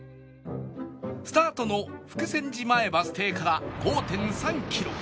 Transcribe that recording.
スタートの福泉寺前バス停から ５．３ キロ